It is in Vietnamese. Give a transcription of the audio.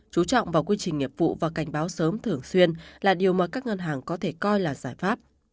chú trọng vào quy trình nghiệp vụ và cảnh báo sớm thường xuyên là điều mà các ngân hàng có thể coi là giải pháp